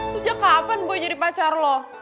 sejak kapan boy jadi pacar lo